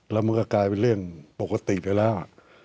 แล้วมันก็กลายเป็นเรื่องปกติไปแล้ว